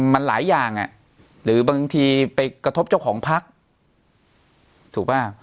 มันหลายอย่างหรือบางทีไปกระทบเจ้าของพักถูกป่ะ